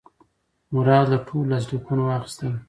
مراد له ټولو لاسلیکونه واخیستل.